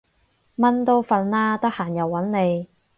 蚊都瞓喇，得閒又搵你